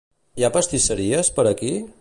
Hi ha pastisseries per aquí?